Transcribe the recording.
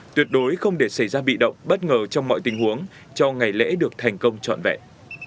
tuyệt đối không để xảy ra bị động bất ngờ trong mọi tình huống cho ngày lễ được thành công trọn vẹn